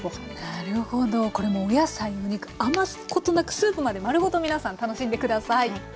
なるほどこれもお野菜お肉余すことなくスープまで丸ごと皆さん楽しんで下さい。